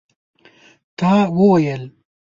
تا وویل?